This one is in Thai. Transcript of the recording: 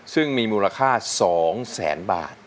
ซึ่งมีมูลค่า๒แสนบาท